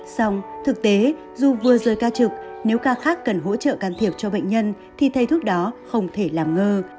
xong thực tế dù vừa rời ca trực nếu ca khác cần hỗ trợ can thiệp cho bệnh nhân thì thầy thuốc đó không thể làm ngơ